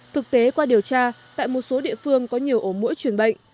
thực tế qua điều tra tại một số địa phương có nhiều ổ mũi truyền bệnh